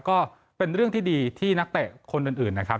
ก็เป็นเรื่องที่ดีที่นักเตะคนอื่นนะครับ